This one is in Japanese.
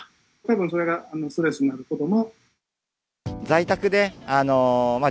それがストレスになることも。